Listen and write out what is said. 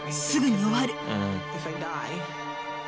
すぐに終わる。